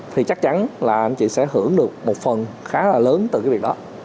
thì chắc chắn là anh chị sẽ hưởng được một phần khá là lớn từ cái việc đó